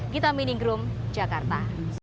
gita minigroom jakarta